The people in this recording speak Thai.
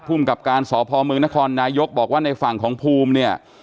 กับการสพมนครนายกบอกว่าในฝั่งของภูมิเนี่ย